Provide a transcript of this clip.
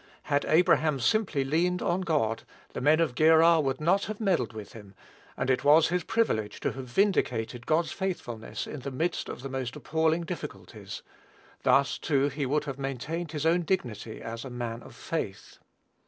Had Abraham simply leaned on God, the men of Gerar would not have meddled with him; and it was his privilege to have vindicated God's faithfulness in the midst of the most appalling difficulties. Thus, too, he would have maintained his own dignity as a man of faith.